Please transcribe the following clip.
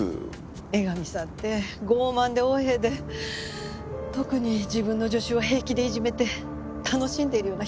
江上さんって傲慢で横柄で特に自分の助手を平気でいじめて楽しんでいるような人だから。